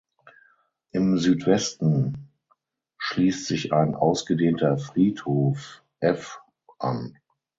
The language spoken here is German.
Im Südwesten schließt sich ein ausgedehnter Friedhof (F) an.